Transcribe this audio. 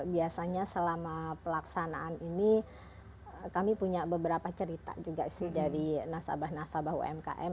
biasanya selama pelaksanaan ini kami punya beberapa cerita juga sih dari nasabah nasabah umkm